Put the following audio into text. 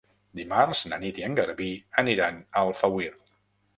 Dimarts na Nit i en Garbí aniran a Alfauir.